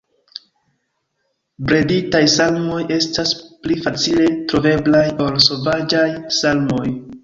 Breditaj salmoj estas pli facile troveblaj ol sovaĝaj salmoj.